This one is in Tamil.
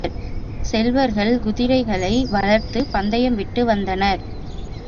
செல்வர்கள் குதிரைகளை வளர்த்துப் பந்தயம் விட்டு வந்தனர்.